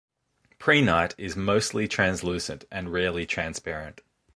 Prehnite is mostly translucent, and rarely transparent.